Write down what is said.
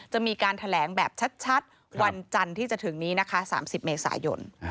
จะมีการแถลงแบบชัดวันจันทร์ที่จะถึงนี้นะคะ๓๐เมษายน